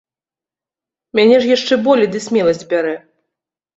Мяне ж яшчэ болей ды смеласць бярэ.